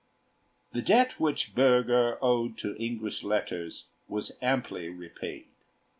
The debt which Bürger owed to English letters was amply repaid.